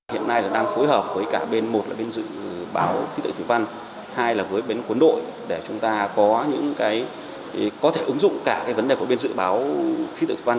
hiện nay là đang phối hợp với cả bên một là bên dự báo khí tượng thủy văn hai là với bên quân đội để chúng ta có những cái có thể ứng dụng cả cái vấn đề của bên dự báo khí tượng thủy văn